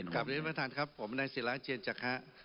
ครับพระเจ้าประทานครับผมในศิลาเจียนจักฆะ